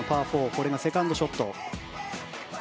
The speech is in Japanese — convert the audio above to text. これがセカンドショット。